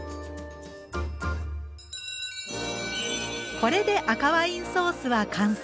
これで赤ワインソースは完成。